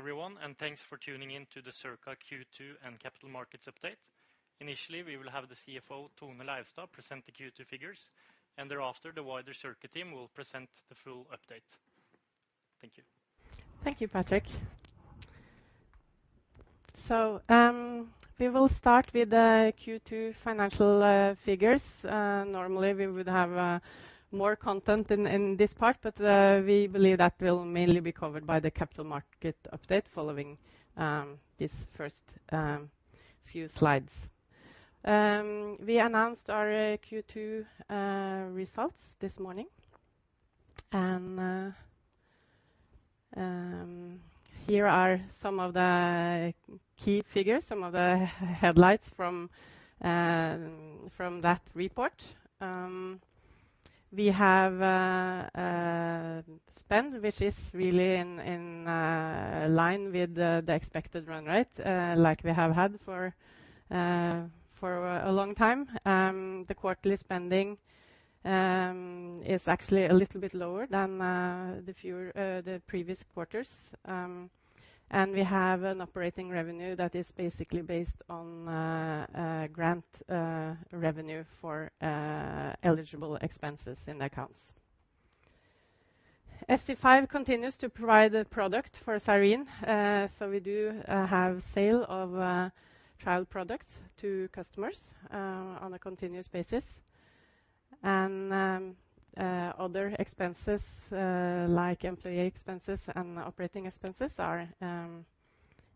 Everyone, thanks for tuning in to the Circa Q2 and Capital Markets update. Initially, we will have the CFO, Tone Leivestad, present the Q2 figures, and thereafter, the wider Circa team will present the full update. Thank you. Thank you, Patrick. We will start with the Q2 financial figures. Normally, we would have more content in this part, we believe that will mainly be covered by the capital market update following this first few slides. We announced our Q2 results this morning, here are some of the key figures, some of the headlights from that report. We have a spend, which is really in line with the expected run rate, like we have had for a long time. The quarterly spending is actually a little bit lower than the fewer the previous quarters. We have an operating revenue that is basically based on a grant revenue for eligible expenses in the accounts. FC5 continues to provide the product for Cyrene. We do have sale of trial products to customers on a continuous basis. Other expenses, like employee expenses and operating expenses, are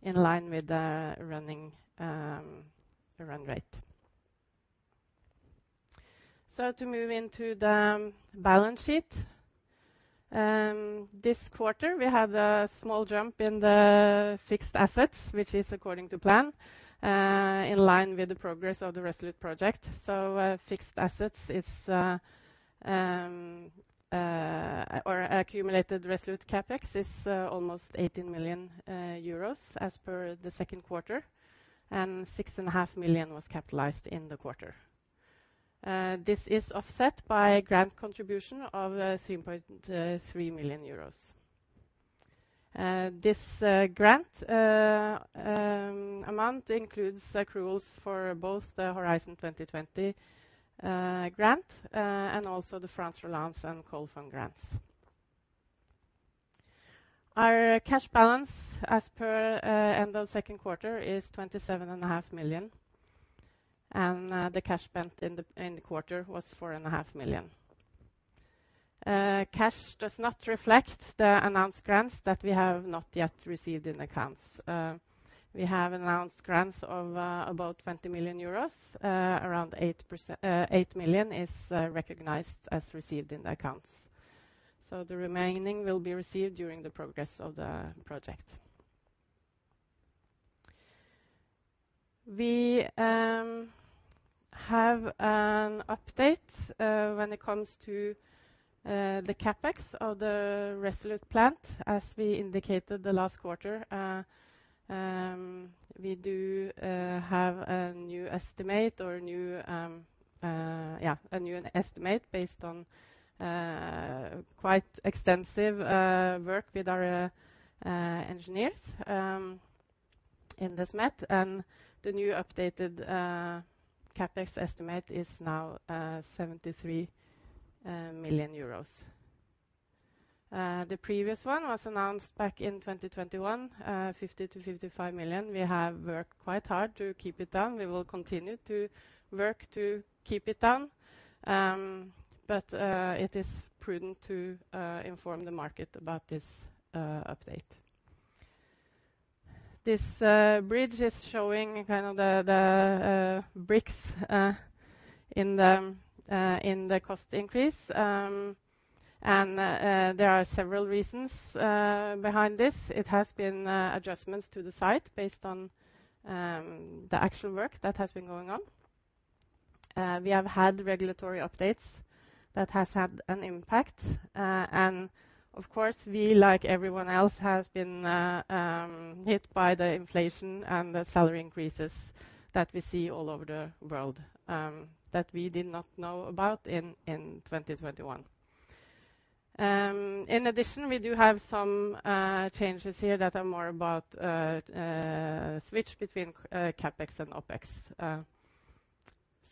in line with the running run rate. To move into the balance sheet. This quarter, we had a small jump in the fixed assets, which is according to plan, in line with the progress of the ReSolute project. Fixed assets is or accumulated ReSolute CapEx is almost 18 million euros as per the second quarter, and 6.5 million was capitalized in the quarter. This is offset by a grant contribution of 3.3 million euros. This grant amount includes accruals for both the Horizon 2020 grant, also the France Relance and Coal Fund grants. Our cash balance as per end of 2Q is 27.5 million, the cash spent in the quarter was 4.5 million. Cash does not reflect the announced grants that we have not yet received in accounts. We have announced grants of about 20 million euros. Around 8%, 8 million is recognized as received in the accounts. The remaining will be received during the progress of the project. We have an update when it comes to the CapEx of the ReSolute plant. As we indicated the last quarter, we do have a new estimate or a new. Yeah, a new estimate based on quite extensive work with our engineers in this met. The new updated CapEx estimate is now 73 million euros. The previous one was announced back in 2021, 50 million-55 million. We have worked quite hard to keep it down. We will continue to work to keep it down. It is prudent to inform the market about this update. This bridge is showing kind of the the bricks in the in the cost increase. There are several reasons behind this. It has been adjustments to the site based on the actual work that has been going on. We have had regulatory updates that has had an impact. And of course, we, like everyone else, has been hit by the inflation and the salary increases that we see all over the world, that we did not know about in 2021. In addition, we do have some changes here that are more about switch between CapEx and OpEx.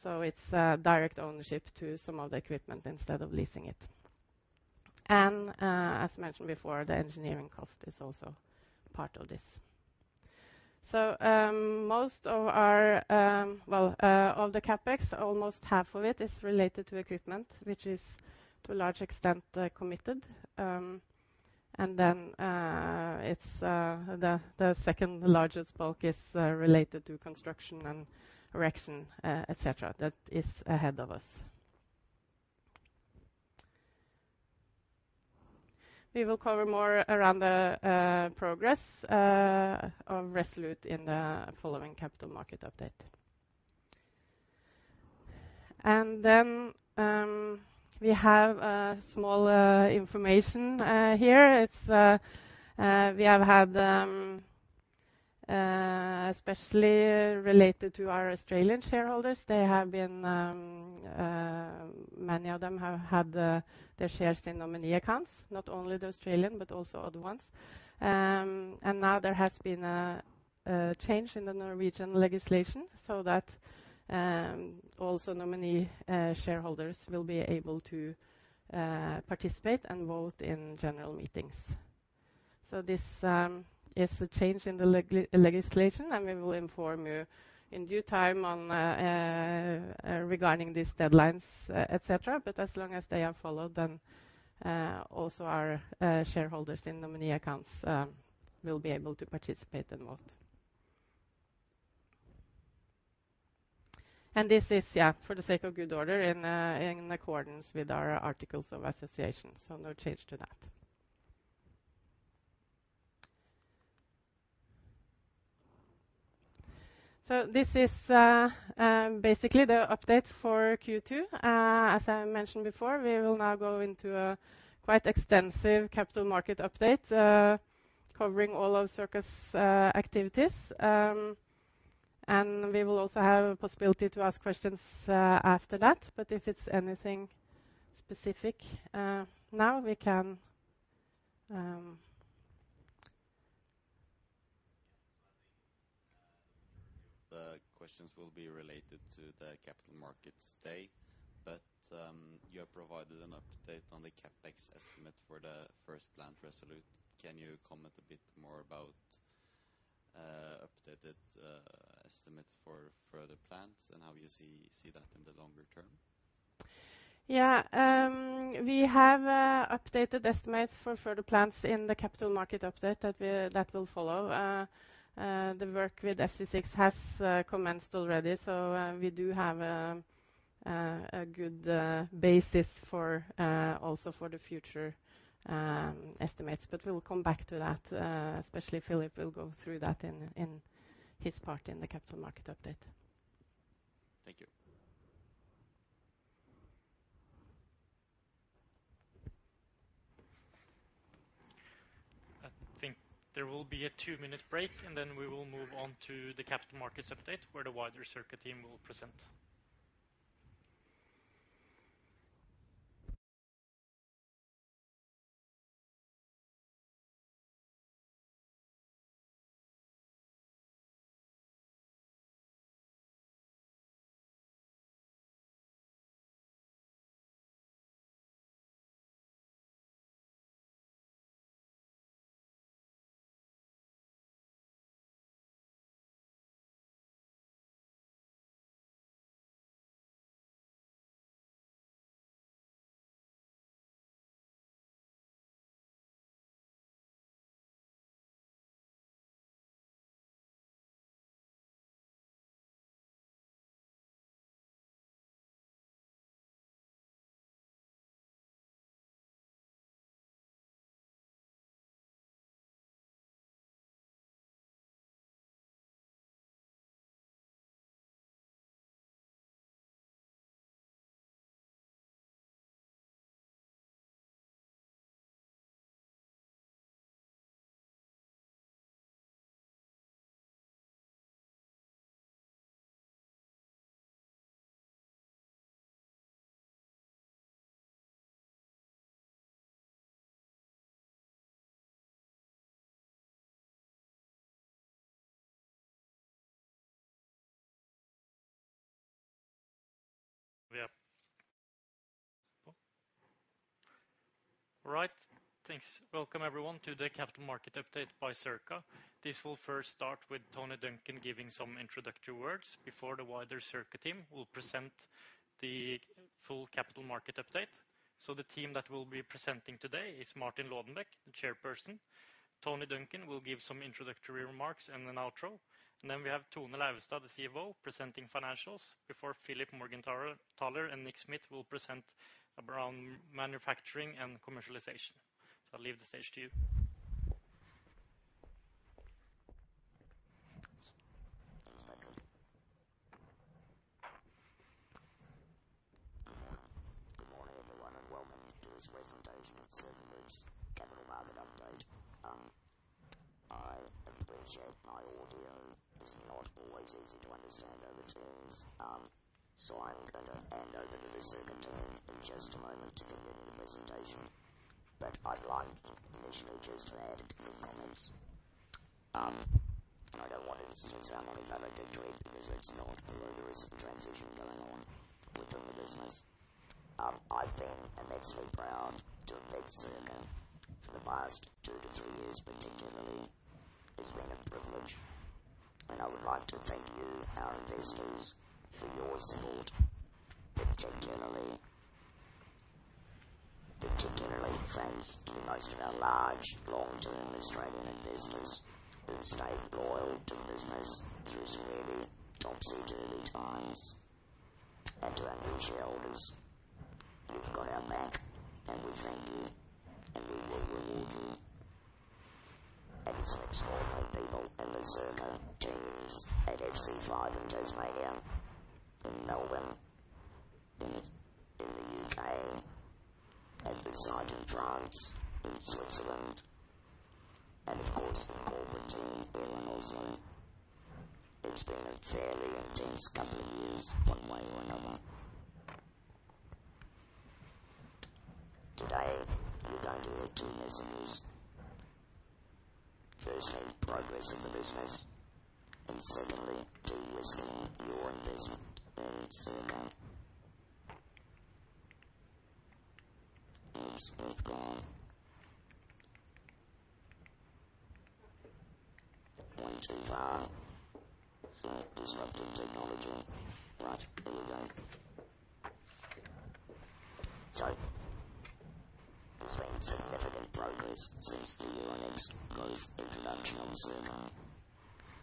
So it's a direct ownership to some of the equipment instead of leasing it. And as mentioned before, the engineering cost is also part of this. So, most of our, well, of the CapEx, almost half of it is related to equipment, which is, to a large extent, committed. And then, it's the second largest bulk is related to construction and erection, et cetera. That is ahead of us. We will cover more around the progress of ReSolute in the following capital market update. Then we have a small information here. It's we have had especially related to our Australian shareholders. They have been many of them have had their shares in nominee accounts, not only the Australian, but also other ones. Now there has been a change in the Norwegian legislation, so that also nominee shareholders will be able to participate and vote in general meetings. This is a change in the legislation, and we will inform you in due time on regarding these deadlines, et cetera. As long as they are followed, then also our shareholders in nominee accounts will be able to participate and vote. This is, yeah, for the sake of good order in, in accordance with our articles of association, no change to that. This is, basically the update for Q2. As I mentioned before, we will now go into a quite extensive capital market update, covering all of Circa's activities. We will also have a possibility to ask questions, after that, but if it's anything specific, now we can. The questions will be related to the capital markets day. You have provided an update on the CapEx estimate for the first plant ReSolute. Can you comment a bit more about updated estimates for further plants and how you see, see that in the longer term? Yeah. We have updated estimates for further plants in the capital market update that will follow. The work with FC6 has commenced already, so we do have a good basis for also for the future estimates. We'll come back to that, especially Philipp will go through that in his part in the capital market update. Thank you. I think there will be a two-minute break, and then we will move on to the capital markets update, where the wider Circa team will present. Good morning, everyone, and welcome to this presentation of Circa's capital market update. I appreciate my audio is not always easy to understand over Teams. I'm going to hand over to the Circa team in just a moment to begin the presentation. I'd like initially just to add a few comments. I don't want this to sound like a valedictory, because it's not. There is a transition going on within the business. I've been immensely proud to have led Circa for the past two-three years, particularly. It's been a privilege, and I would like to thank you, our investors, for your support, particularly, particularly thanks to most of our large long-term Australian investors who've stayed loyal to the business through some really topsy-turvy times, and to our new shareholders. You've got our back, and we thank you, and we really need you. It's all our people in the Circa teams at FC5 in Tasmania, in Melbourne, in the UK, and the site in France, and Switzerland, and of course, the corporate team here in Oslo. It's been a fairly intense couple of years, one way or another. Today, you're going to hear two pieces of news. Firstly, progress in the business, and secondly, diluting your investment in Circa. Circa. MTR, so disruptive technology, but anyway. There's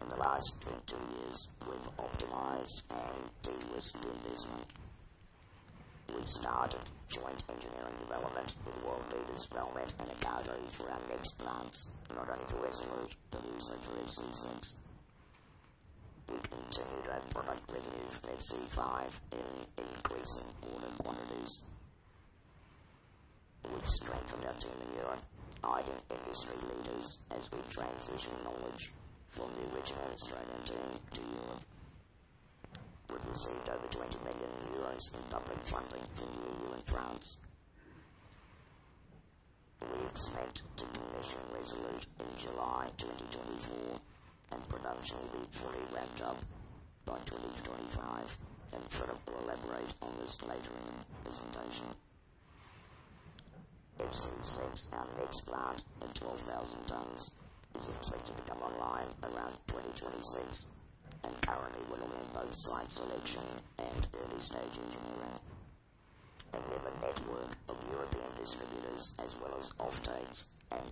been significant progress since the earnings move international Circa. In the last 22 months, we've optimized and dilutes the investment. We've started joint engineering development with world leaders Valmet and EKATO for our next plants, not only for ReSolute, but also for FC6. We've continued our productivity move at FC5 in increasing order quantities. We've strengthened our team in Europe, hiring industry leaders as we transition knowledge from the original Australian team to Europe. We've received over 20 million euros in public funding from the EU and France. We expect to commission ReSolute in July 2024, and production will be fully ramped up by 2025, and Philipp will elaborate on this later in the presentation. FC6, our next plant of 12,000 tons, is expected to come online around 2026, and currently we're in both site selection and early stage engineering. We have a network of European distributors, as well as offtakes and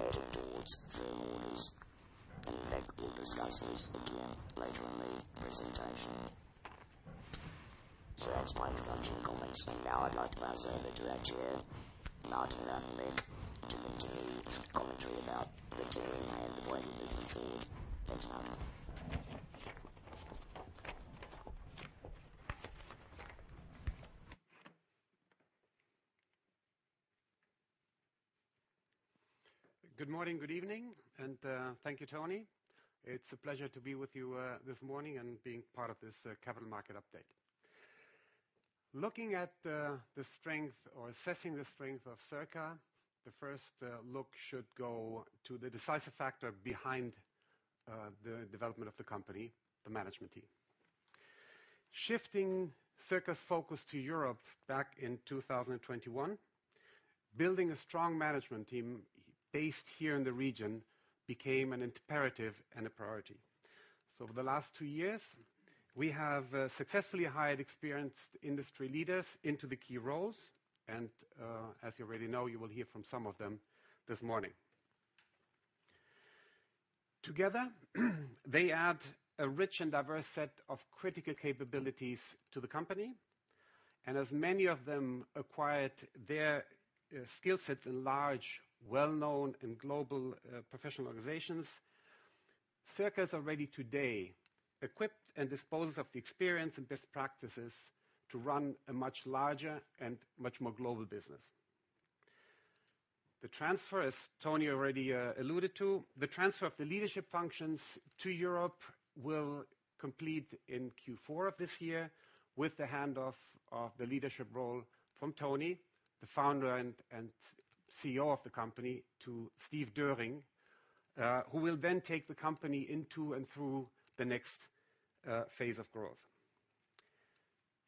added deals for more, and in fact, we'll discuss this again later in the presentation. That's my opening comments, and now I'd like to pass over to our chair, Martin Laudenbach, to give you commentary about the team and the way we move forward. Thanks, Martin. Good morning, good evening, and, thank you, Tony. It's a pleasure to be with you, this morning and being part of this, capital market update. Looking at the, the strength or assessing the strength of Circa, the first, look should go to the decisive factor behind, the development of the company, the management team. Shifting Circa's focus to Europe back in 2021, building a strong management team based here in the region became an imperative and a priority. Over the last two years, we have, successfully hired experienced industry leaders into the key roles, and, as you already know, you will hear from some of them this morning. Together, they add a rich and diverse set of critical capabilities to the company, and as many of them acquired their skill sets in large, well-known and global professional organizations, Circa is already today equipped and disposes of the experience and best practices to run a much larger and much more global business. The transfer, as Tony already alluded to, the transfer of the leadership functions to Europe will complete in Q4 of this year with the handoff of the leadership role from Tony, the founder and CEO of the company, to Steve Döring, who will then take the company into and through the next phase of growth.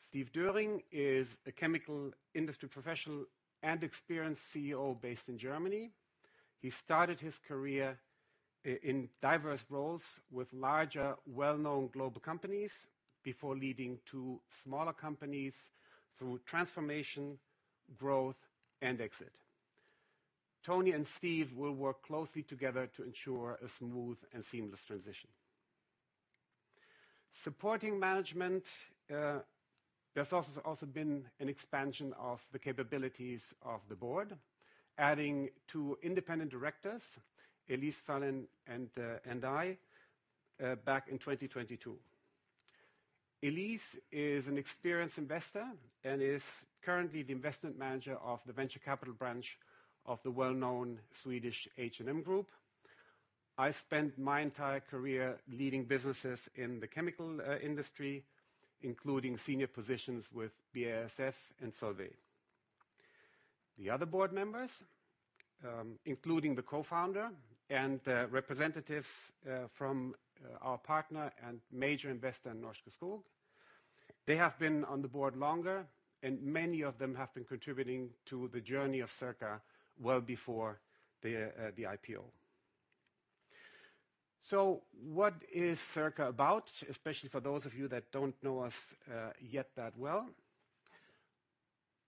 Steve Döring is a chemical industry professional and experienced CEO based in Germany. He started his career in diverse roles with larger, well-known global companies before leading two smaller companies through transformation, growth, and exit. Tony and Steve will work closely together to ensure a smooth and seamless transition. Supporting management, there's also, also been an expansion of the capabilities of the board, adding two independent directors, Elise Fahlén and I, back in 2022. Elise is an experienced investor and is currently the investment manager of the venture capital branch of the well-known Swedish H&M Group. I spent my entire career leading businesses in the chemical industry, including senior positions with BASF and Solvay. The other board members, including the co-founder and representatives from our partner and major investor, Norske Skog. They have been on the board longer, and many of them have been contributing to the journey of Circa well before the IPO. What is Circa about? Especially for those of you that don't know us yet that well.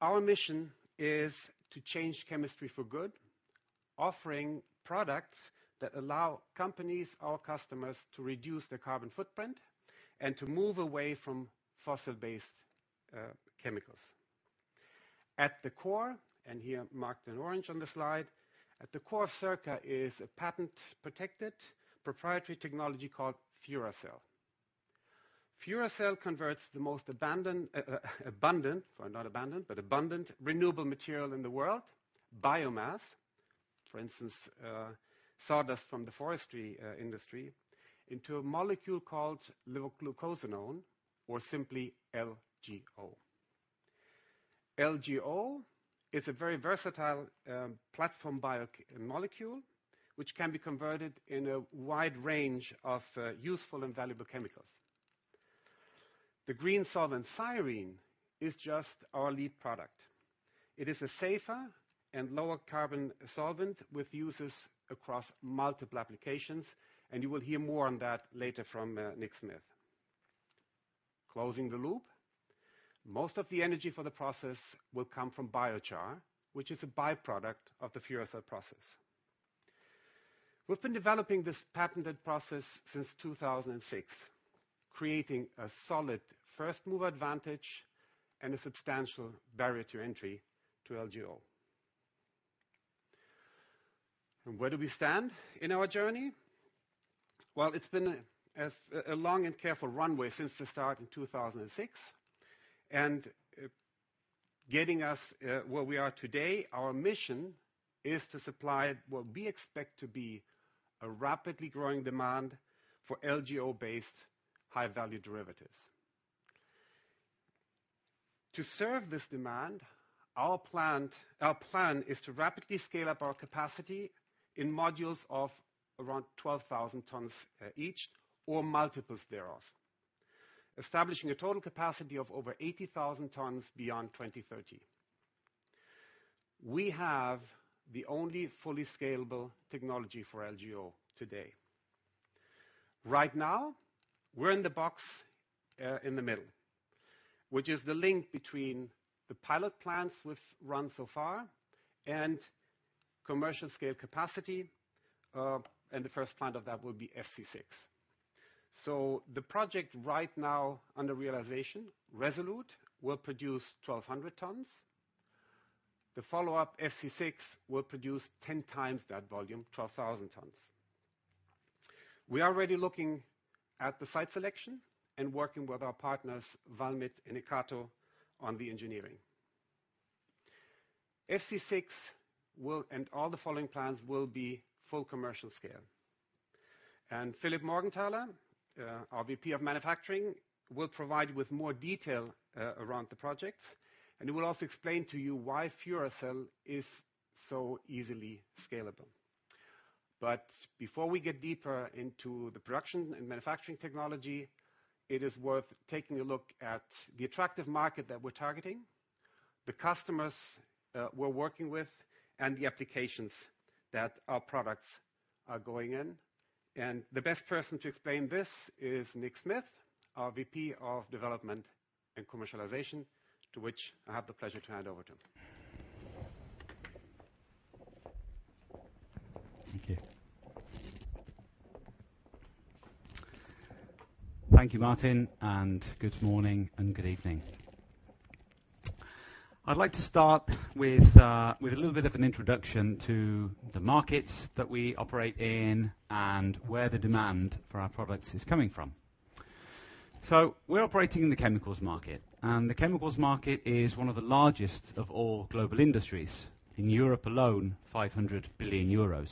Our mission is to change chemistry for good, offering products that allow companies, our customers, to reduce their carbon footprint and to move away from fossil-based chemicals. At the core, and here marked in orange on the slide, at the core of Circa Group is a patent-protected proprietary technology called Furacell. Furacell converts the most abandoned, abundant, so not abandoned, but abundant renewable material in the world, biomass, for instance, sawdust from the forestry industry, into a molecule called Levoglucosenone, or simply LGO. LGO is a very versatile platform bio molecule, which can be converted in a wide range of useful and valuable chemicals. The green solvent styrene is just our lead product. It is a safer and lower carbon solvent with uses across multiple applications, and you will hear more on that later from Nick Smith. Closing the loop, most of the energy for the process will come from biochar, which is a by-product of the Furacell process. We've been developing this patented process since 2006, creating a solid first-mover advantage and a substantial barrier to entry to LGO. Where do we stand in our journey? Well, it's been a long and careful runway since the start in 2006, getting us where we are today. Our mission is to supply what we expect to be a rapidly growing demand for LGO-based high-value derivatives. To serve this demand, our plan is to rapidly scale up our capacity in modules of around 12,000 tons each, or multiples thereof, establishing a total capacity of over 80,000 tons beyond 2030. We have the only fully scalable technology for LGO today. Right now, we're in the box in the middle, which is the link between the pilot plants we've run so far and commercial scale capacity. The first plant of that will be FC6. The project right now under realization, ReSolute, will produce 1,200 tons. The follow-up, FC6, will produce 10 times that volume, 12,000 tons. We are already looking at the site selection and working with our partners, Valmet and EKATO, on the engineering. FC6 will and all the following plans will be full commercial scale. Philipp Morgenthaler, our VP Manufacturing, will provide you with more detail around the projects, and he will also explain to you why Furacell is so easily scalable. Before we get deeper into the production and manufacturing technology, it is worth taking a look at the attractive market that we're targeting, the customers, we're working with, and the applications that our products are going in. The best person to explain this is Nick Smith, our VP of Development and Commercialization, to which I have the pleasure to hand over to him. Thank you. Thank you, Martin, and good morning and good evening. I'd like to start with a little bit of an introduction to the markets that we operate in and where the demand for our products is coming from. We're operating in the chemicals market, and the chemicals market is one of the largest of all global industries. In Europe alone, 500 billion euros.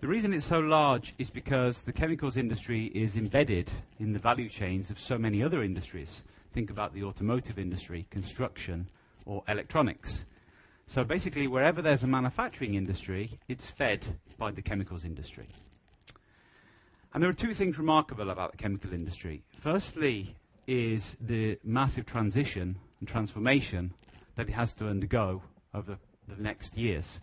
The reason it's so large is because the chemicals industry is embedded in the value chains of so many other industries. Think about the automotive industry, construction, or electronics. Basically, wherever there's a manufacturing industry, it's fed by the chemicals industry. There are two things remarkable about the chemicals industry. Firstly, is the massive transition and transformation that it has to undergo over the next years.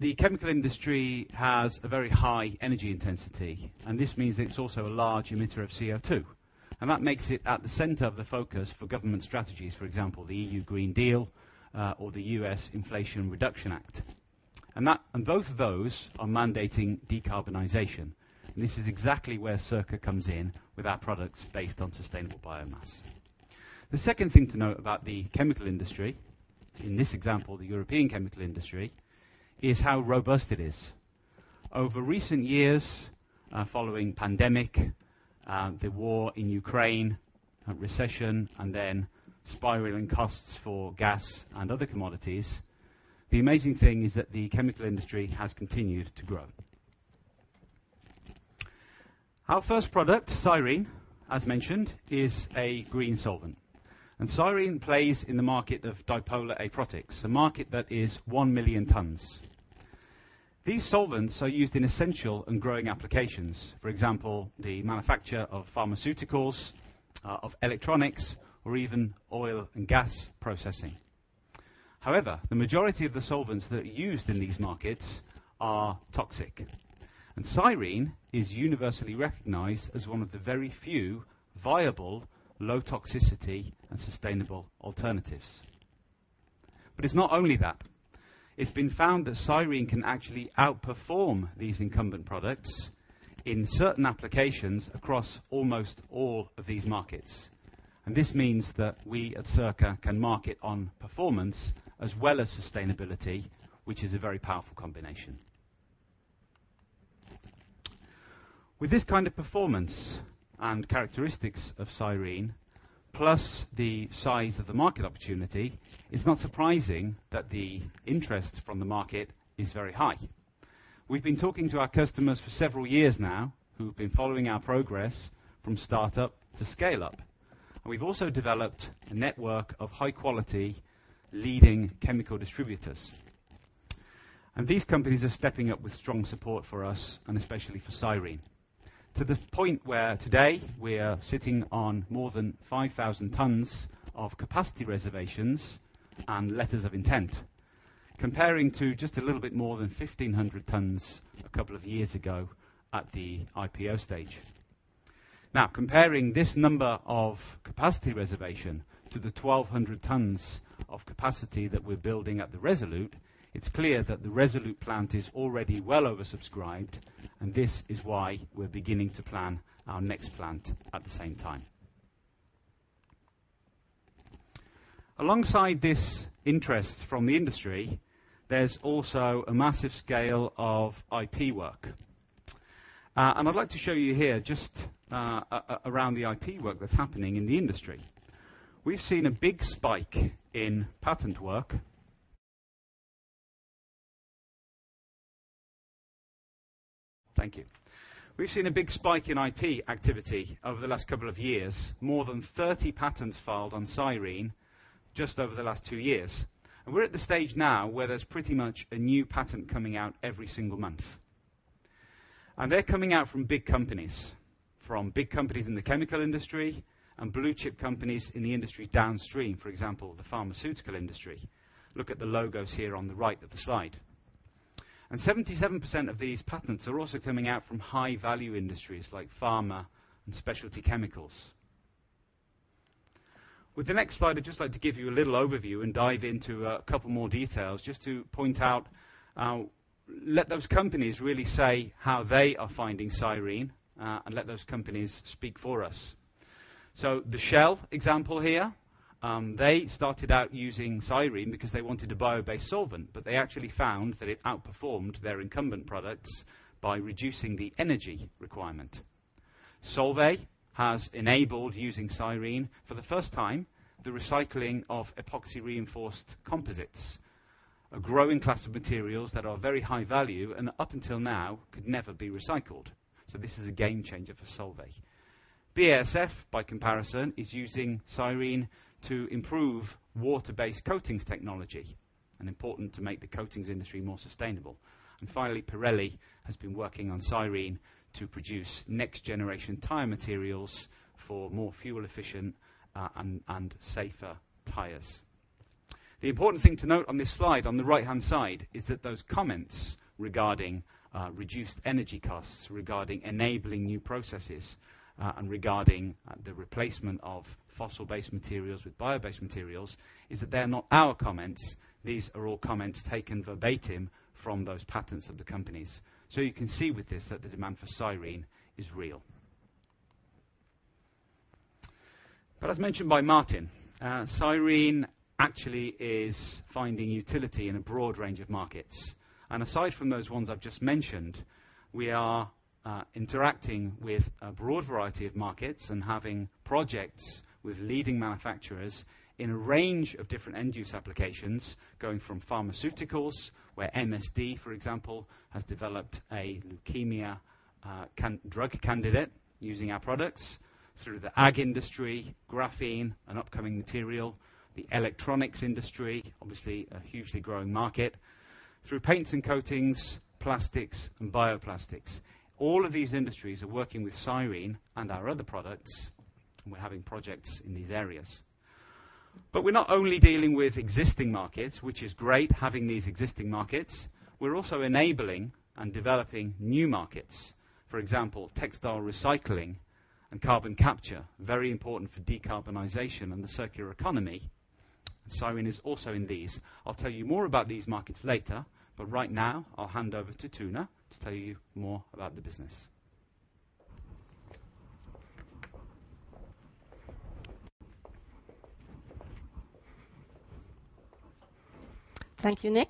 The chemical industry has a very high energy intensity, and this means it's also a large emitter of CO2, and that makes it at the center of the focus for government strategies, for example, the European Green Deal, or the US Inflation Reduction Act, and both of those are mandating decarbonization. This is exactly where Circa comes in with our products based on sustainable biomass. The second thing to note about the chemical industry, in this example, the European chemical industry, is how robust it is. Over recent years, following pandemic, the war in Ukraine, a recession, and then spiraling costs for gas and other commodities, the amazing thing is that the chemical industry has continued to grow. Our first product, styrene, as mentioned, is a green solvent, and styrene plays in the market of dipolar aprotic, a market that is 1 million tons. These solvents are used in essential and growing applications, for example, the manufacture of pharmaceuticals, of electronics, or even oil and gas processing. However, the majority of the solvents that are used in these markets are toxic, and Cyrene is universally recognized as one of the very few viable, low toxicity and sustainable alternatives. It's not only that. It's been found that Cyrene can actually outperform these incumbent products in certain applications across almost all of these markets. This means that we at Circa can market on performance as well as sustainability, which is a very powerful combination. With this kind of performance and characteristics of Cyrene, plus the size of the market opportunity, it's not surprising that the interest from the market is very high. We've been talking to our customers for several years now, who've been following our progress from start-up to scale-up, and we've also developed a network of high-quality, leading chemical distributors. These companies are stepping up with strong support for us and especially for Cyrene, to the point where today we are sitting on more than 5,000 tons of capacity reservations and letters of intent, comparing to just a little bit more than 1,500 tons a couple of years ago at the IPO stage. Comparing this number of capacity reservation to the 1,200 tons of capacity that we're building at the ReSolute, it's clear that the ReSolute plant is already well oversubscribed, and this is why we're beginning to plan our next plant at the same time. Alongside this interest from the industry, there's also a massive scale of IP work. I'd like to show you here, around the IP work that's happening in the industry. We've seen a big spike in patent work. Thank you. We've seen a big spike in IP activity over the last couple of years. More than 30 patents filed on Cyrene just over the last two years, and we're at the stage now where there's pretty much a new patent coming out every single month. They're coming out from big companies, from big companies in the chemical industry and blue-chip companies in the industry downstream, for example, the pharmaceutical industry. Look at the logos here on the right of the slide. 77% of these patents are also coming out from high-value industries like pharma and specialty chemicals. With the next slide, I'd just like to give you a little overview and dive into a couple more details, just to point out, let those companies really say how they are finding Cyrene, and let those companies speak for us. The Shell example here, they started out using Cyrene because they wanted a bio-based solvent, but they actually found that it outperformed their incumbent products by reducing the energy requirement. Solvay has enabled, using Cyrene for the first time, the recycling of epoxy-reinforced composites, a growing class of materials that are very high value and up until now, could never be recycled. This is a game changer for Solvay. BASF, by comparison, is using Cyrene to improve water-based coatings technology and important to make the coatings industry more sustainable. Finally, Pirelli has been working on Cyrene to produce next-generation tire materials for more fuel efficient, and safer tires. The important thing to note on this slide, on the right-hand side, is that those comments regarding reduced energy costs, regarding enabling new processes, and regarding the replacement of fossil-based materials with bio-based materials, is that they are not our comments. These are all comments taken verbatim from those patents of the companies. You can see with this, that the demand for Cyrene is real. As mentioned by Martin, Cyrene actually is finding utility in a broad range of markets. Aside from those ones I've just mentioned, we are interacting with a broad variety of markets and having projects with leading manufacturers in a range of different end-use applications, going from pharmaceuticals, where MSD, for example, has developed a leukemia drug candidate using our products, through the ag industry, graphene, an upcoming material, the electronics industry, obviously a hugely growing market, through paints and coatings, plastics and bioplastics. All of these industries are working with Cyrene and our other products, and we're having projects in these areas. We're not only dealing with existing markets, which is great, having these existing markets, we're also enabling and developing new markets, for example, textile recycling and carbon capture, very important for decarbonization and the circular economy. Cyrene is also in these. I'll tell you more about these markets later, but right now I'll hand over to Tone to tell you more about the business. Thank you, Nick.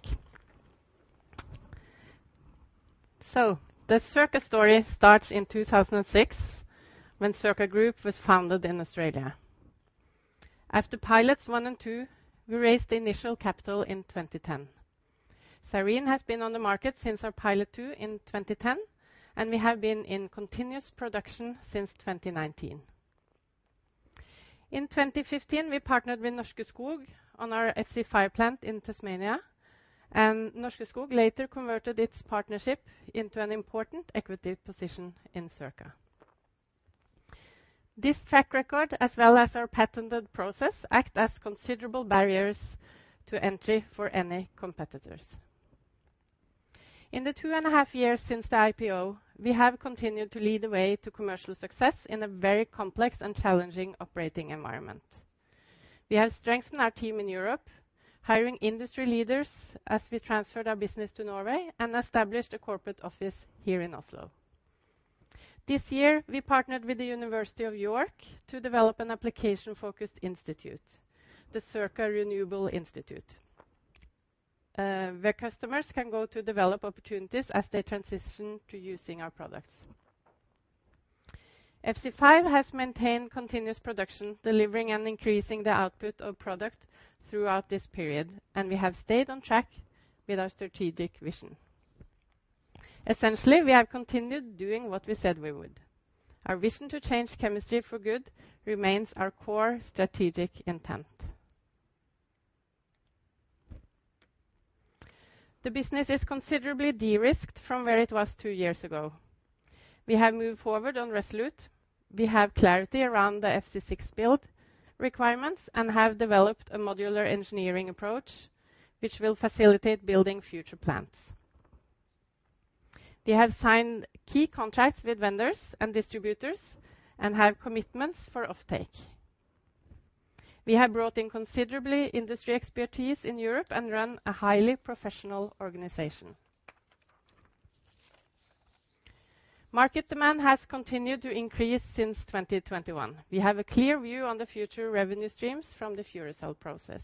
The Circa story starts in 2006, when Circa Group was founded in Australia. After Pilots 1 and 2, we raised the initial capital in 2010. Cyrene has been on the market since our Pilot 2 in 2010, and we have been in continuous production since 2019. In 2015, we partnered with Norske Skog on our FC5 plant in Tasmania, and Norske Skog later converted its partnership into an important equity position in Circa. This track record, as well as our patented process, act as considerable barriers to entry for any competitors. In the 2.5 years since the IPO, we have continued to lead the way to commercial success in a very complex and challenging operating environment. We have strengthened our team in Europe, hiring industry leaders as we transferred our business to Norway and established a corporate office here in Oslo. This year, we partnered with the University of York to develop an application-focused institute, the Circa Renewable Institute, where customers can go to develop opportunities as they transition to using our products. FC5 has maintained continuous production, delivering and increasing the output of product throughout this period, and we have stayed on track with our strategic vision. Essentially, we have continued doing what we said we would. Our vision to change chemistry for good remains our core strategic intent. The business is considerably de-risked from where it was two years ago. We have moved forward on ReSolute. We have clarity around the FC6 build requirements and have developed a modular engineering approach, which will facilitate building future plants. We have signed key contracts with vendors and distributors and have commitments for offtake. We have brought in considerably industry expertise in Europe and run a highly professional organization. Market demand has continued to increase since 2021. We have a clear view on the future revenue streams from the Furacell process.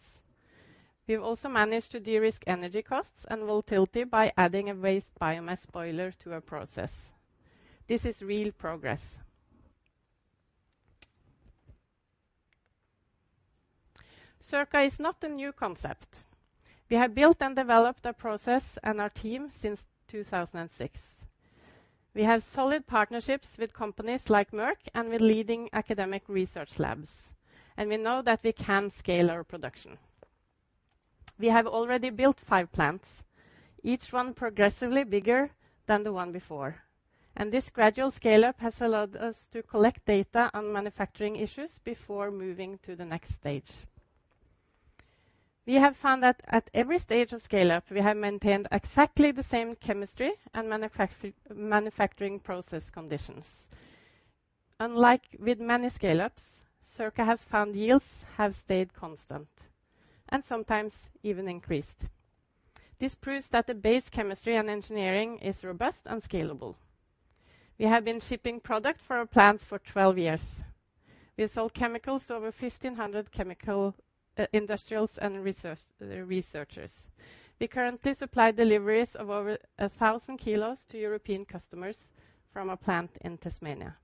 We've also managed to de-risk energy costs and volatility by adding a waste biomass boiler to our process. This is real progress. Circa is not a new concept. We have built and developed our process and our team since 2006. We have solid partnerships with companies like Merck and with leading academic research labs, and we know that we can scale our production. We have already built five plants, each one progressively bigger than the one before, and this gradual scale-up has allowed us to collect data on manufacturing issues before moving to the next stage. We have found that at every stage of scale-up, we have maintained exactly the same chemistry and manufacturing process conditions. Unlike with many scale-ups, Circa has found yields have stayed constant and sometimes even increased. This proves that the base chemistry and engineering is robust and scalable. We have been shipping product for our plants for 12 years. We have sold chemicals to over 1,500 chemical industrials and researchers. We currently supply deliveries of over 1,000 kilos to European customers from a plant in Tasmania,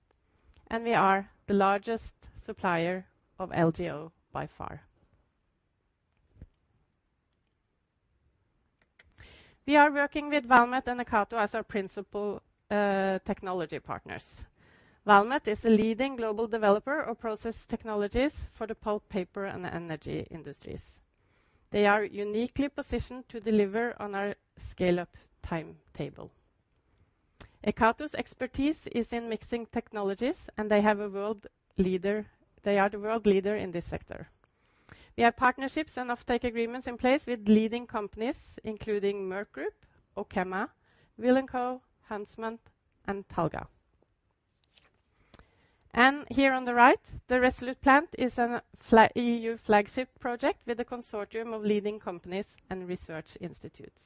and we are the largest supplier of LGO, by far. We are working with Valmet and EKATO as our principal technology partners. Valmet is a leading global developer of process technologies for the pulp, paper, and energy industries. They are uniquely positioned to deliver on our scale-up timetable. EKATO's expertise is in mixing technologies, and they are the world leader in this sector. We have partnerships and offtake agreements in place with leading companies, including Merck Group, OQEMA, Will & Co, Huntsman, and Talga. Here on the right, the ReSolute is an EU flagship project with a consortium of leading companies and research institutes.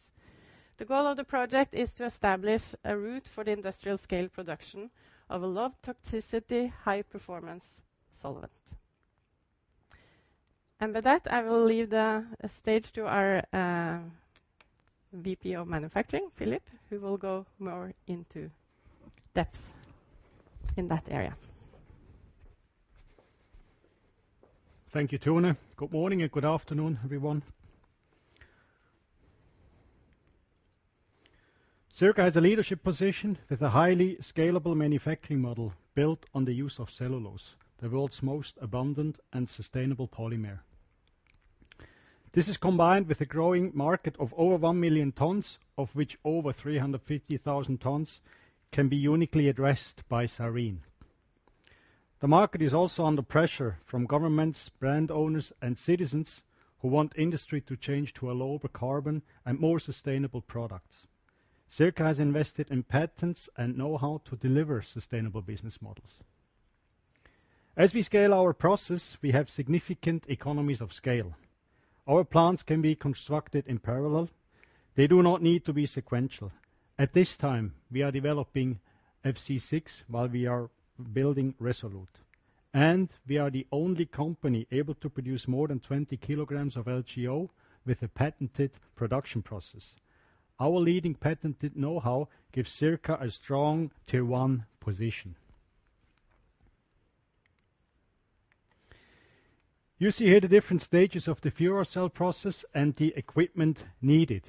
The goal of the project is to establish a route for the industrial-scale production of a low toxicity, high-performance solvent. With that, I will leave the stage to our VP of manufacturing, Philipp, who will go more into depth in that area. Thank you, Tone. Good morning and good afternoon, everyone. Circa has a leadership position with a highly scalable manufacturing model built on the use of cellulose, the world's most abundant and sustainable polymer. This is combined with a growing market of over 1 million tons, of which over 350,000 tons can be uniquely addressed by Cyrene. The market is also under pressure from governments, brand owners, and citizens who want industry to change to a lower carbon and more sustainable product. Circa has invested in patents and know-how to deliver sustainable business models. As we scale our process, we have significant economies of scale. Our plants can be constructed in parallel. They do not need to be sequential. At this time, we are developing FC6 while we are building ReSolute. We are the only company able to produce more than 20 kilograms of LGO with a patented production process. Our leading, patented know-how gives Circa a strong tier one position. You see here the different stages of the Furacell process and the equipment needed.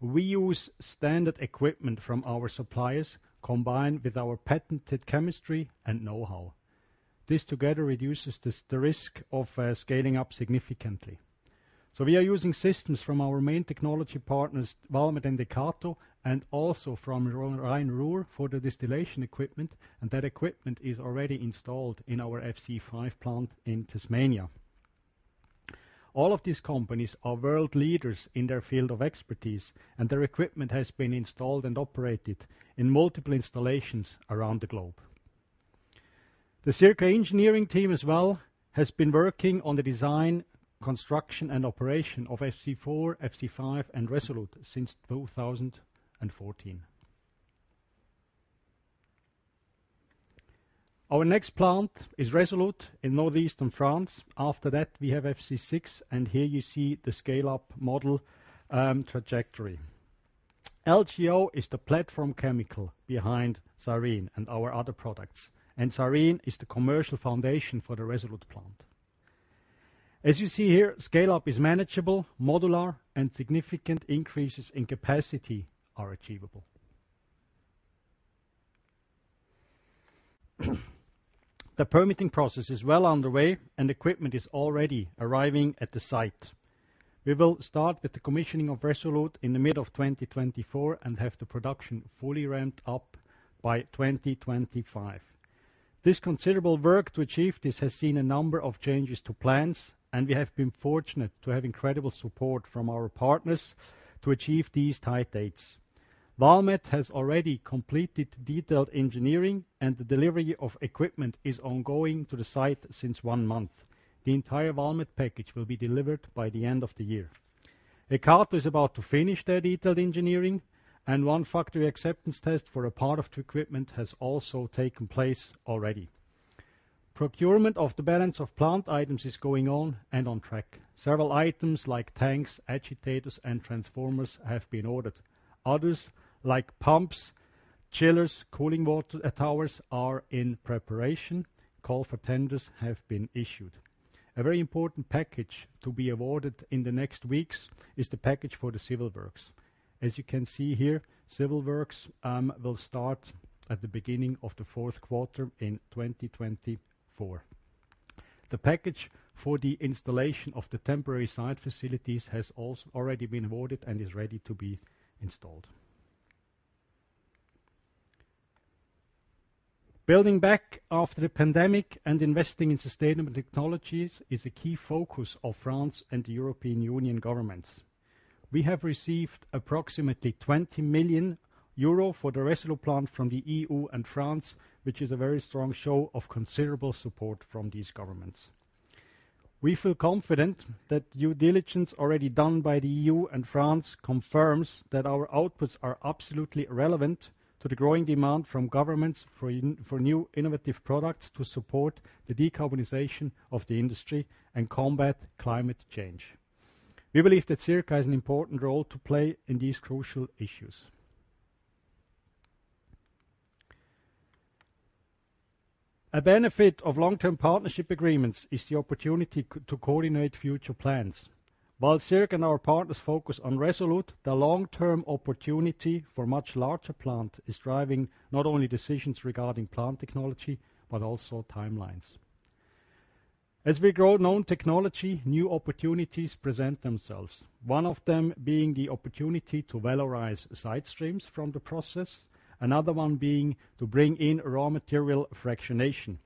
We use standard equipment from our suppliers, combined with our patented chemistry and know-how. This together reduces the, the risk of scaling up significantly. We are using systems from our main technology partners, Valmet and EKATO, and also from Rhine Ruhr for the distillation equipment. That equipment is already installed in our FC5 plant in Tasmania. All of these companies are world leaders in their field of expertise, and their equipment has been installed and operated in multiple installations around the globe. The Circa engineering team as well, has been working on the design, construction, and operation of FC4, FC5, and ReSolute since 2014. Our next plant is ReSolute in northeastern France. After that, we have FC6, and here you see the scale-up model trajectory. LGO is the platform chemical behind Cyrene and our other products, and Cyrene is the commercial foundation for the ReSolute plant. As you see here, scale-up is manageable, modular, and significant increases in capacity are achievable. The permitting process is well underway, and equipment is already arriving at the site. We will start with the commissioning of ReSolute in the mid-2024 and have the production fully ramped up by 2025. This considerable work to achieve this has seen a number of changes to plans, and we have been fortunate to have incredible support from our partners to achieve these tight dates. Valmet has already completed detailed engineering, and the delivery of equipment is ongoing to the site since one month. The entire Valmet package will be delivered by the end of the year. EKATO is about to finish their detailed engineering, and one Factory Acceptance Test for a part of the equipment has also taken place already. Procurement of the Balance of Plant items is going on and on track. Several items like tanks, agitators, and transformers have been ordered. Others, like pumps, chillers, cooling water towers are in preparation. Call for tenders have been issued. A very important package to be awarded in the next weeks is the package for the civil works. As you can see here, civil works, will start at the beginning of the fourth quarter in 2024. The package for the installation of the temporary site facilities has already been awarded and is ready to be installed. Building back after the pandemic and investing in sustainable technologies is a key focus of France and the European Union governments. We have received approximately 20 million euro for the ReSolute plant from the EU and France, which is a very strong show of considerable support from these governments. We feel confident that due diligence already done by the EU and France confirms that our outputs are absolutely relevant to the growing demand from governments for new innovative products to support the decarbonization of the industry and combat climate change. We believe that Circa has an important role to play in these crucial issues. A benefit of long-term partnership agreements is the opportunity to coordinate future plans. While Circa and our partners focus on ReSolute, the long-term opportunity for much larger plant is driving not only decisions regarding plant technology, but also timelines. As we grow known technology, new opportunities present themselves, one of them being the opportunity to valorize side streams from the process, another one being to bring in raw material fractionation.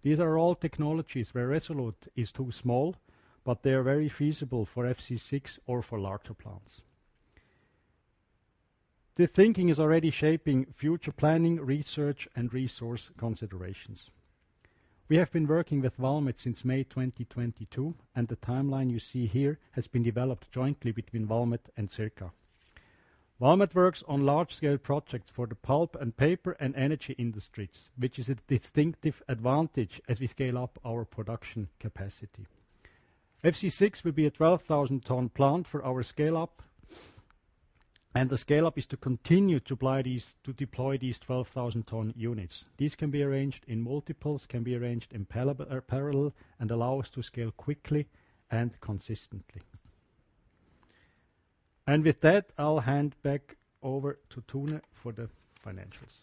These are all technologies where ReSolute is too small, but they are very feasible for FC6 or for larger plants. The thinking is already shaping future planning, research, and resource considerations. We have been working with Valmet since May 2022, and the timeline you see here has been developed jointly between Valmet and Circa. Valmet works on large-scale projects for the pulp and paper and energy industries, which is a distinctive advantage as we scale up our production capacity. FC6 will be a 12,000 ton plant for our scale up, and the scale-up is to continue to deploy these 12,000 ton units. These can be arranged in multiples, can be arranged in parallel, allow us to scale quickly and consistently. With that, I'll hand back over to Tone for the financials.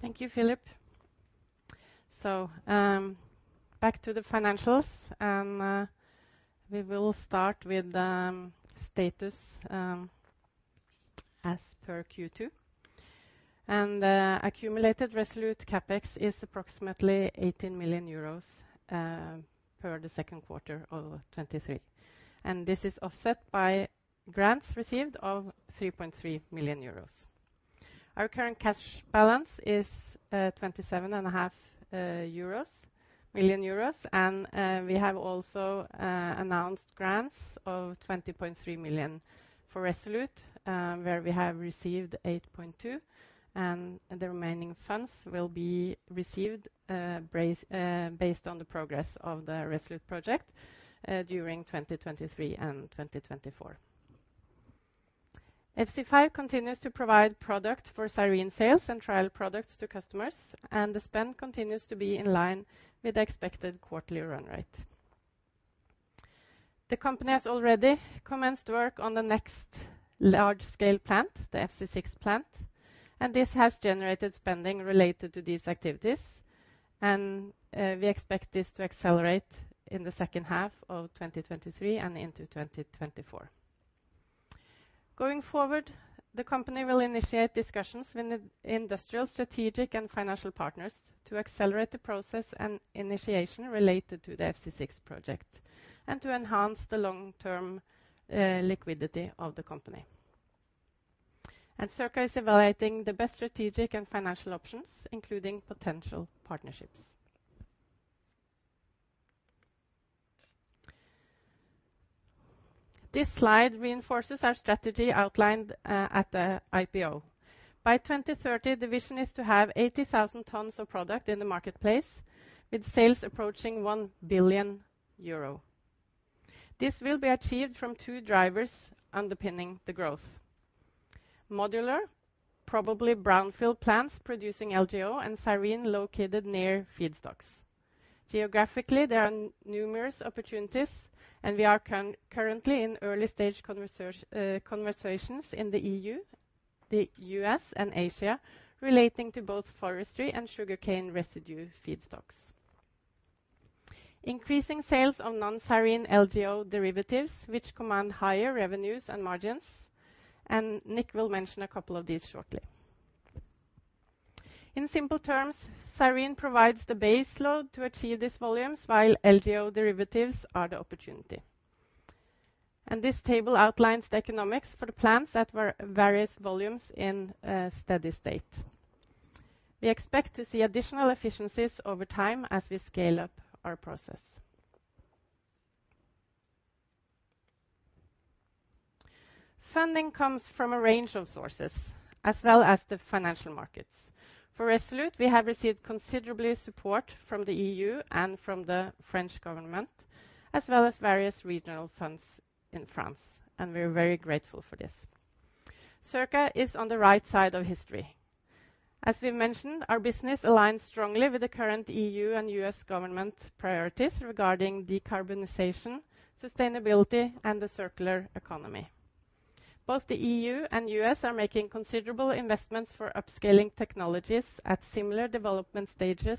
Thank you, Philipp. Back to the financials. We will start with status as per Q2. Accumulated Resolute CapEx is approximately 18 million euros per 2Q 2023, and this is offset by grants received of 3.3 million euros. Our current cash balance is 27.5 million euros, and we have also announced grants of 20.3 million for Resolute, where we have received 8.2 million, and the remaining funds will be received based on the progress of the Resolute project during 2023 and 2024. FC5 continues to provide product for Cyrene sales and trial products to customers, and the spend continues to be in line with the expected quarterly run rate. The company has already commenced work on the next large-scale plant, the FC6 plant, and this has generated spending related to these activities. We expect this to accelerate in the second half of 2023 and into 2024. Going forward, the company will initiate discussions with the industrial, strategic, and financial partners to accelerate the process and initiation related to the FC6 project, and to enhance the long-term liquidity of the company. Circa is evaluating the best strategic and financial options, including potential partnerships. This slide reinforces our strategy outlined at the IPO. By 2030, the vision is to have 80,000 tons of product in the marketplace, with sales approaching 1 billion euro. This will be achieved from two drivers underpinning the growth. Modular, probably brownfield plants producing LGO and styrene located near feedstocks. Geographically, there are numerous opportunities, we are currently in early-stage conversations in the EU, the US, and Asia, relating to both forestry and sugarcane residue feedstocks. Increasing sales of non-styrene LGO derivatives, which command higher revenues and margins, Nick will mention a couple of these shortly. In simple terms, styrene provides the base load to achieve these volumes, while LGO derivatives are the opportunity. This table outlines the economics for the plants at various volumes in a steady state. We expect to see additional efficiencies over time as we scale up our process. Funding comes from a range of sources, as well as the financial markets. For ReSolute, we have received considerably support from the EU and from the French government, as well as various regional funds in France, and we're very grateful for this. Circa is on the right side of history. As we mentioned, our business aligns strongly with the current EU and US government priorities regarding decarbonization, sustainability, and the circular economy. Both the EU and US are making considerable investments for upscaling technologies at similar development stages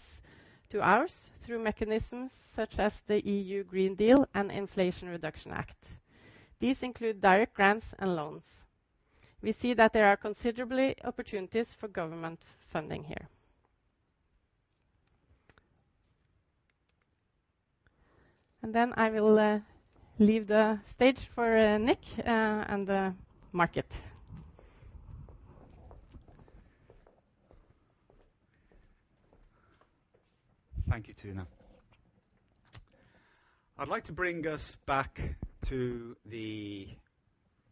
to ours through mechanisms such as the European Green Deal and Inflation Reduction Act. These include direct grants and loans. We see that there are considerably opportunities for government funding here. Then I will leave the stage for Nick and the market. Thank you, Tone. I'd like to bring us back to the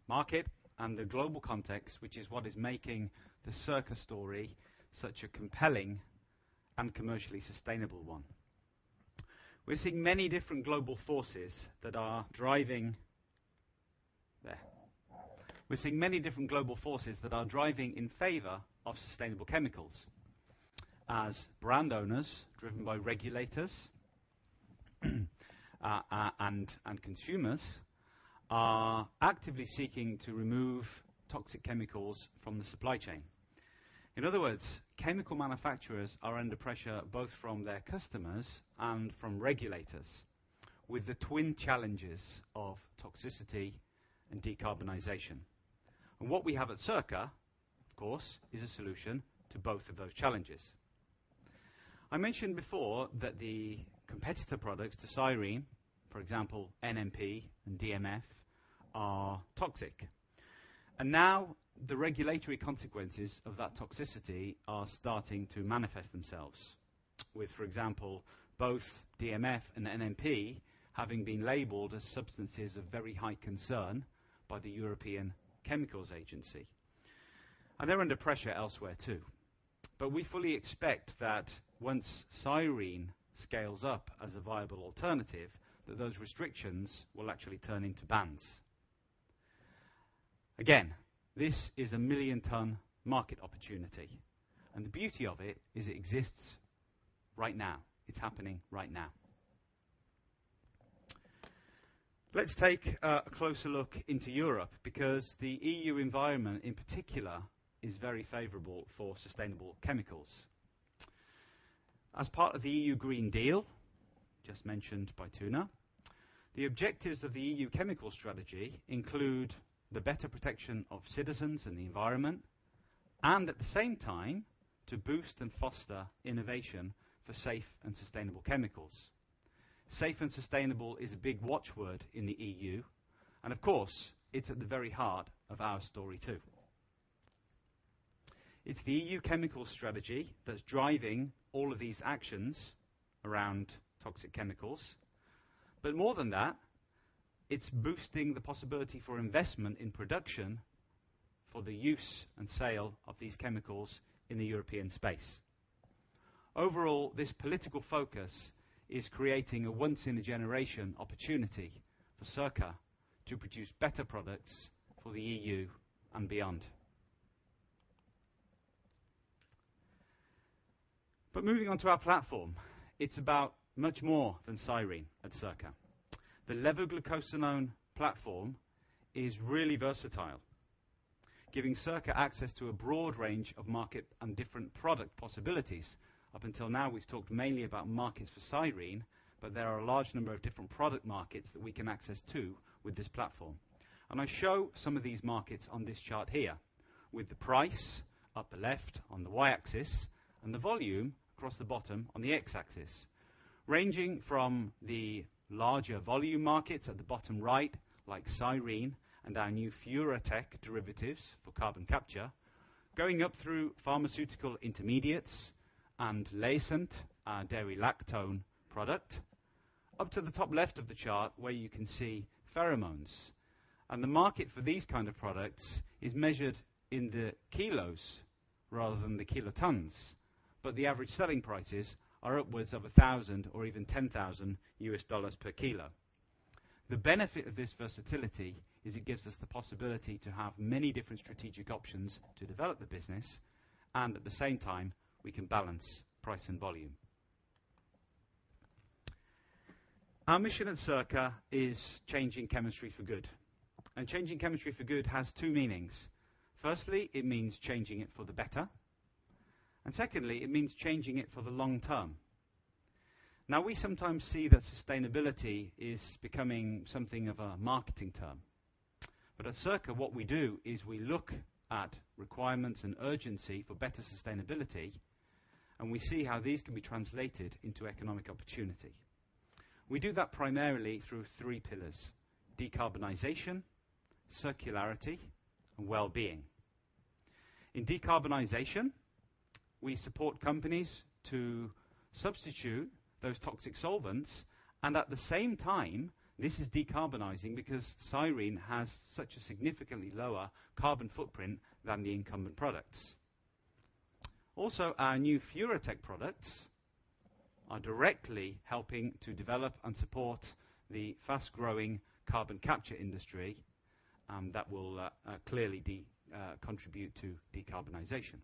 market and the global context, which is what is making the Circa story such a compelling and commercially sustainable one. We're seeing many different global forces that are driving in favor of sustainable chemicals, as brand owners, driven by regulators, and consumers, are actively seeking to remove toxic chemicals from the supply chain. In other words, chemical manufacturers are under pressure, both from their customers and from regulators, with the twin challenges of toxicity and decarbonization. What we have at Circa, of course, is a solution to both of those challenges. I mentioned before that the competitor products to styrene, for example, NMP and DMF, are toxic. Now the regulatory consequences of that toxicity are starting to manifest themselves with, for example, both DMF and NMP having been labeled as Substances of Very High Concern by the European Chemicals Agency. They're under pressure elsewhere, too. We fully expect that once styrene scales up as a viable alternative, that those restrictions will actually turn into bans. Again, this is a million-ton market opportunity, and the beauty of it is it exists right now. It's happening right now. Let's take a closer look into Europe, because the EU environment, in particular, is very favorable for sustainable chemicals. As part of the European Green Deal, just mentioned by Tone, the objectives of the EU chemical strategy include the better protection of citizens and the environment, and at the same time, to boost and foster innovation for safe and sustainable chemicals. Safe and sustainable is a big watchword in the EU, and of course, it's at the very heart of our story, too. It's the EU chemical strategy that's driving all of these actions around toxic chemicals. More than that, it's boosting the possibility for investment in production for the use and sale of these chemicals in the European space. Overall, this political focus is creating a once-in-a-generation opportunity for Circa to produce better products for the EU and beyond. Moving on to our platform, it's about much more than styrene at Circa. The Levoglucosenone platform is really versatile. giving Circa access to a broad range of market and different product possibilities. Up until now, we've talked mainly about markets for Cyrene, but there are a large number of different product markets that we can access to with this platform. I show some of these markets on this chart here, with the price up the left on the Y-axis and the volume across the bottom on the X-axis, ranging from the larger volume markets at the bottom right, like Cyrene and our new Furatech derivatives for carbon capture, going up through pharmaceutical intermediates and Lacent, our dairy lactone product, up to the top left of the chart, where you can see pheromones. The market for these kind of products is measured in the kilos rather than the kilotons, but the average selling prices are upwards of $1,000 or even $10,000 per kilo. The benefit of this versatility is it gives us the possibility to have many different strategic options to develop the business, and at the same time, we can balance price and volume. Our mission at Circa is changing chemistry for good, and changing chemistry for good has two meanings. Firstly, it means changing it for the better, and secondly, it means changing it for the long term. Now, we sometimes see that sustainability is becoming something of a marketing term, but at Circa, what we do is we look at requirements and urgency for better sustainability, and we see how these can be translated into economic opportunity. We do that primarily through three pillars: decarbonization, circularity, and well-being. In decarbonization, we support companies to substitute those toxic solvents. At the same time, this is decarbonizing because Cyrene has such a significantly lower carbon footprint than the incumbent products. Our new Furatech products are directly helping to develop and support the fast-growing carbon capture industry, and that will clearly contribute to decarbonization.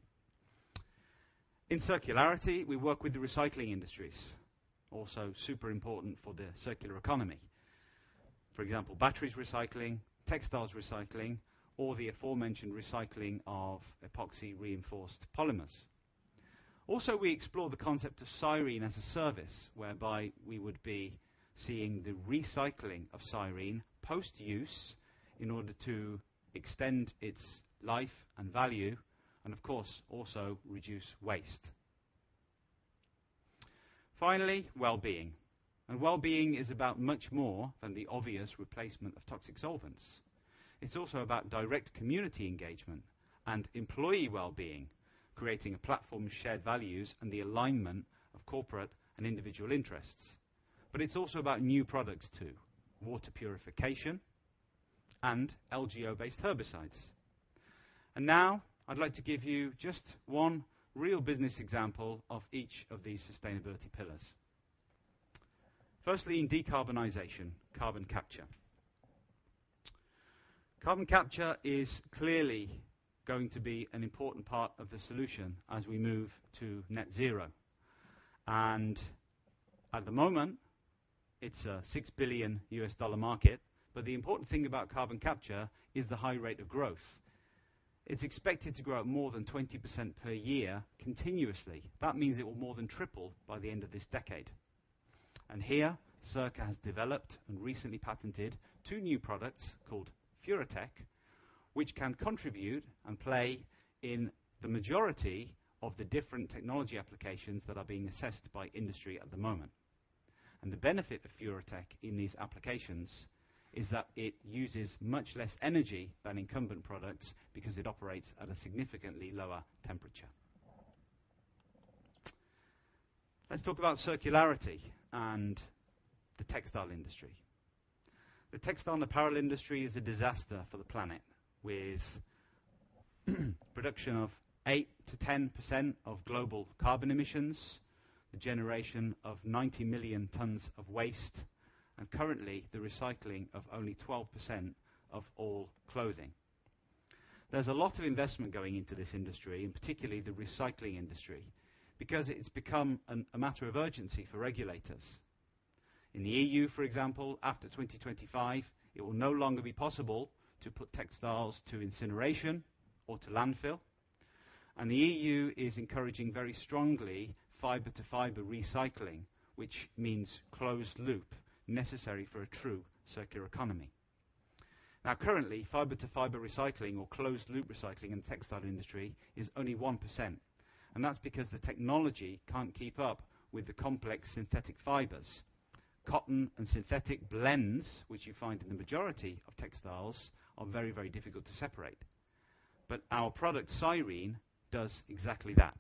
In circularity, we work with the recycling industries, also super important for the circular economy. For example, batteries recycling, textiles recycling, or the aforementioned recycling of epoxy-reinforced polymers. Also, we explore the concept of Cyrene as a service, whereby we would be seeing the recycling of Cyrene post-use in order to extend its life and value and, of course, also reduce waste. Finally, well-being. Well-being is about much more than the obvious replacement of toxic solvents. It's also about direct community engagement and employee well-being, creating a platform of shared values and the alignment of corporate and individual interests. It's also about new products, too. Water purification and LGO-based herbicides. Now I'd like to give you just one real business example of each of these sustainability pillars. Firstly, in decarbonization, carbon capture. Carbon capture is clearly going to be an important part of the solution as we move to net zero. At the moment, it's a $6 billion market, but the important thing about carbon capture is the high rate of growth. It's expected to grow at more than 20% per year continuously. That means it will more than triple by the end of this decade. Here, Circa has developed and recently patented two new products called Furatech, which can contribute and play in the majority of the different technology applications that are being assessed by industry at the moment. The benefit of Furatech in these applications is that it uses much less energy than incumbent products because it operates at a significantly lower temperature. Let's talk about circularity and the textile industry. The textile and apparel industry is a disaster for the planet, with production of 8%-10% of global carbon emissions, the generation of 90 million tons of waste, and currently, the recycling of only 12% of all clothing. There's a lot of investment going into this industry, and particularly the recycling industry, because it's become a matter of urgency for regulators. In the EU, for example, after 2025, it will no longer be possible to put textiles to incineration or to landfill. The EU is encouraging very strongly fiber-to-fiber recycling, which means closed loop, necessary for a true circular economy. Now, currently, fiber-to-fiber recycling or closed loop recycling in the textile industry is only 1%. That's because the technology can't keep up with the complex synthetic fibers. Cotton and synthetic blends, which you find in the majority of textiles, are very, very difficult to separate. Our product, Cyrene, does exactly that.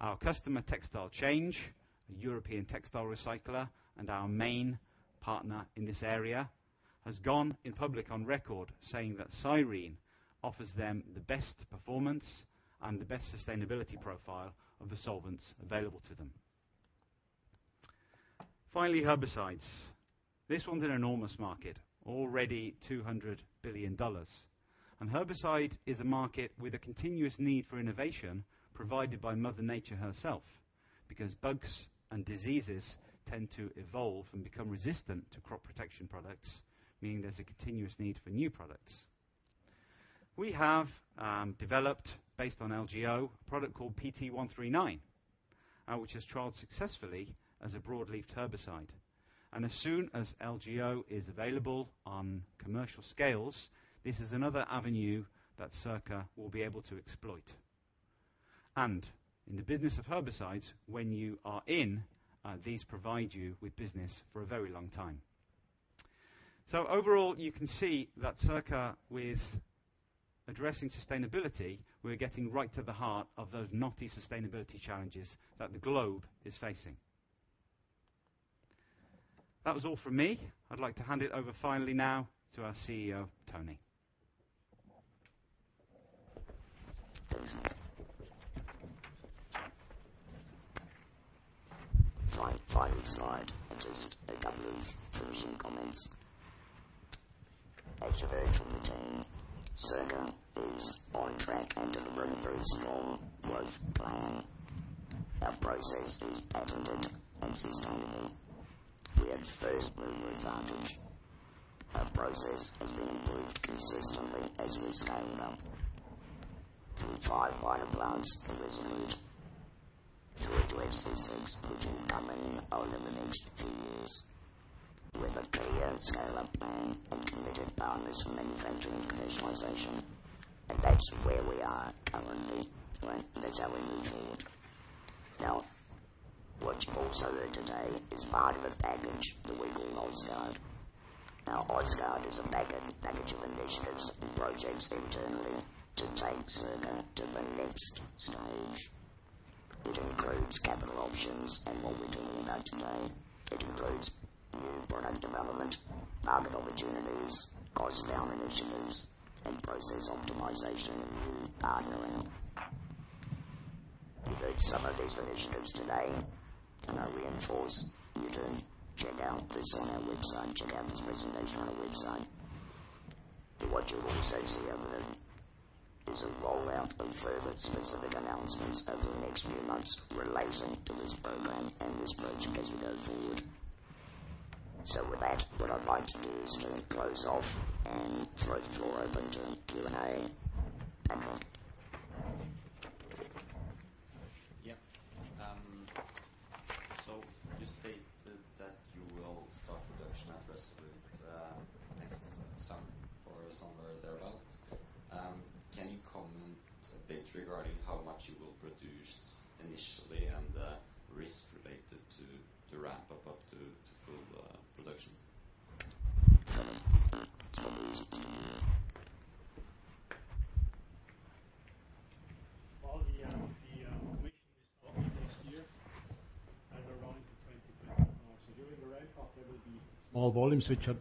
Our customer, Textile Exchange, a European textile recycler, and our main partner in this area, has gone in public on record saying that Cyrene offers them the best performance and the best sustainability profile of the solvents available to them. Finally, herbicides. This one's an enormous market, already $200 billion. Herbicide is a market with a continuous need for innovation provided by Mother Nature herself, because bugs and diseases tend to evolve and become resistant to crop protection products, meaning there's a continuous need for new products. We have developed, based on LGO, a product called PT139, which has trialed successfully as a broadleaf herbicide. As soon as LGO is available on commercial scales, this is another avenue that Circa will be able to exploit. In the business of herbicides, when you are in, these provide you with business for a very long time. Overall, you can see that Circa, with addressing sustainability, we're getting right to the heart of those knotty sustainability challenges that the globe is facing. That was all from me. I'd like to hand it over finally now to our CEO, Tony. Thanks. Final, final slide. Just a couple of closing comments. As you heard from the team, Circa is on track under the Reboot strong growth plan. Our process is patented and sustainable. We have first-mover advantage. Our process has been improved consistently as we've scaled up, from 5 pilot plants in ReSolute through to FC6, which will be coming over the next few years. We have a clear scale-up plan and committed partners for manufacturing commercialization, and that's where we are currently, right? That's how we move forward. What you also heard today is part of a package that we call is a package of initiatives and projects internally to take Circa to the next stage. It includes capital options and what we're talking about today. It includes new product development, market opportunities, cost down initiatives, and process optimization, and new partnering. You've heard some of these initiatives today, and I reinforce you to check out this on our website. Check out this presentation on our website. But what you'll also see out of it, is a rollout of further specific announcements over the next few months relating to this program and this project as we go forward. With that, what I'd like to do is to close off and throw the floor open to Q&A. Thanks a lot. Yeah. You stated that you will start production at ReSolute next summer or somewhere thereabout. Can you comment a bit regarding how much you will produce initially and the risk related to, to ramp up, up to, to full production? The commission is starting next year and running to 2020. During the ramp up, there will be small volumes which are.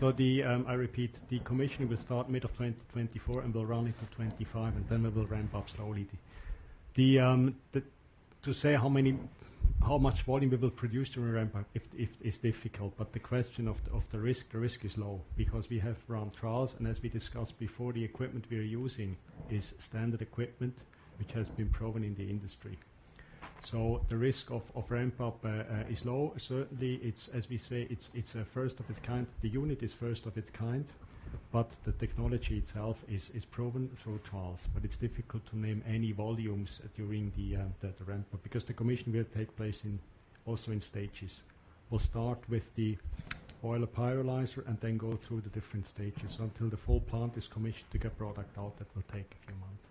I repeat, the commission will start middle of 2024, and will run into 25, and then we will ramp up slowly. To say how many, how much volume we will produce during ramp up, is difficult, but the question of the, of the risk, the risk is low because we have run trials, and as we discussed before, the equipment we are using is standard equipment, which has been proven in the industry. The risk of, of ramp up, is low. Certainly, it's, as we say, it's, it's a first of its kind. The unit is first of its kind, but the technology itself is, is proven through trials, but it's difficult to name any volumes during the ramp up, because the commission will take place in, also in stages. We'll start with the oil pyrolyzer and then go through the different stages until the full plant is commissioned to get product out. That will take a few months.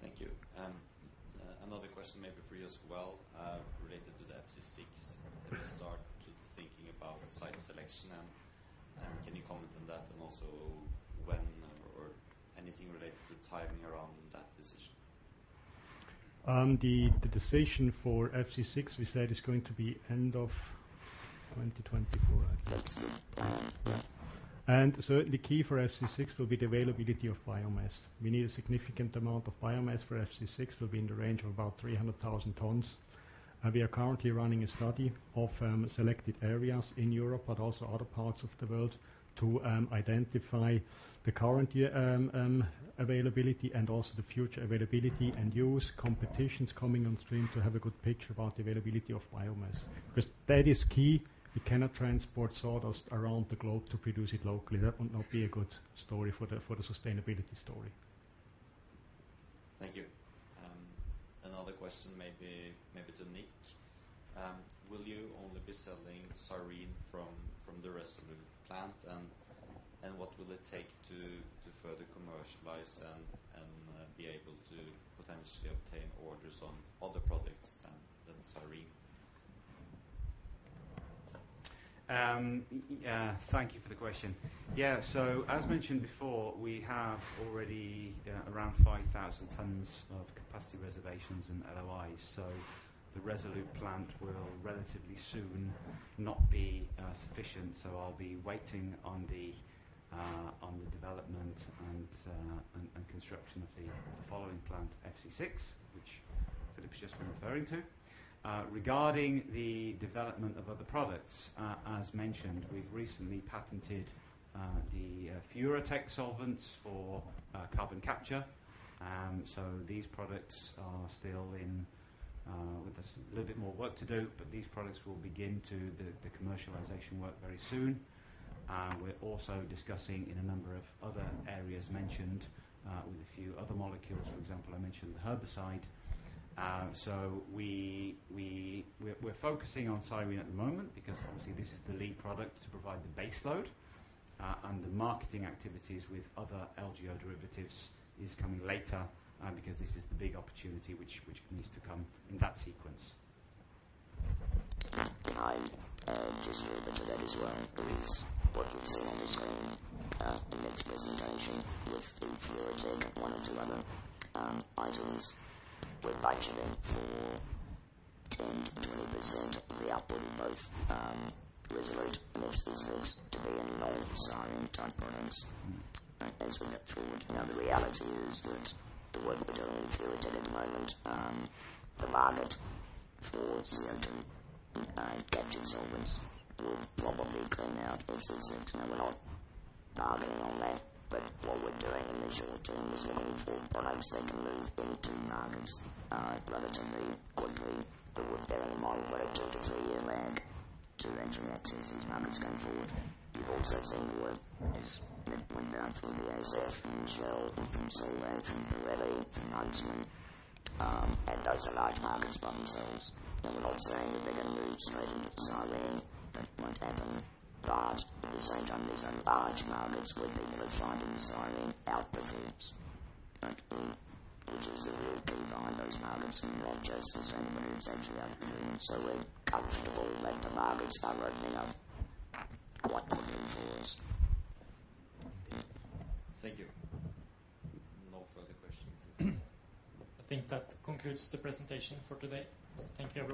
Thank you. Another question, maybe for you as well, related to the FC6. Have you started thinking about site selection, can you comment on that, and also when anything related to timing around that decision? The decision for FC6, we said, is going to be end of 2024, I think. Certainly, key for FC6 will be the availability of biomass. We need a significant amount of biomass, for FC6 will be in the range of about 300,000 tons. We are currently running a study of selected areas in Europe, but also other parts of the world, to identify the current year availability and also the future availability and use competitions coming on stream to have a good picture about the availability of biomass. That is key. We cannot transport sawdust around the globe to produce it locally. That would not be a good story for the, for the sustainability story. Thank you. Another question, maybe, maybe to Nick. Will you only be selling Cyrene from the ReSolute plant? What will it take to further commercialize and be able to potentially obtain orders on other products than Cyrene? Yeah, thank you for the question. Yeah, so as mentioned before, we have already, around 5,000 tons of capacity reservations and LOIs, so the ReSolute plant will relatively soon not be sufficient. I'll be waiting on the development and, and, and construction of the following plant, FC6, which Philipp's just been referring to. Regarding the development of other products, as mentioned, we've recently patented the Furatech solvents for carbon capture. So these products are still in... With just a little bit more work to do, but these products will begin to the, the commercialization work very soon. We're also discussing in a number of other areas mentioned, with a few other molecules, for example, I mentioned the herbicide. So we're focusing on styrene at the moment, because obviously this is the lead product to provide the baseload. And the marketing activities with other LGO derivatives is coming later, because this is the big opportunity which, which needs to come in that sequence. I just heard that today as well, is what you've seen on the screen in Nick's presentation, with Furatech, one or two other items. We're budgeting for 10%-20% of the output of both Resolute and next instance, to be in lower styrene-type products as we move forward. The reality is that the work we're doing in Furatech at the moment, the market for CO2 captured solvents will probably come out of FC6. We're not bargaining on that, but what we're doing in the initial team is looking for products that can move into markets relatively quickly. We've bear in mind what it took is a one-year lag to enter and access these markets going forward. You've also seen the work that's been done through the Azelis, from Israel, from CO, from Borregaard, from Huntsman, and those are large markets by themselves. Now, we're not saying that they're going to move straight into styrene, but it won't happen. At the same time, these are large markets where we're going to find in styrene outperforms, in which is the reason behind those markets, and we have just the same moves that we are doing. We're comfortable that the markets are opening up quite quickly for us. Thank you. No further questions. I think that concludes the presentation for today. Thank you very much.